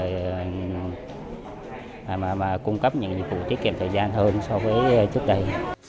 để mà cung cấp những dịch vụ tiết kiệm thời gian hơn so với trước đây